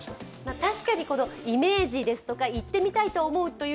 確かにイメージですとか、行ってみたいと思うという